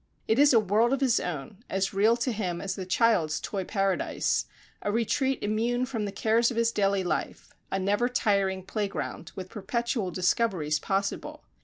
It is a world of his own, as real to him as the child's toy paradise, a retreat immune from the cares of his daily life, a never tiring playground, with perpetual discoveries possible.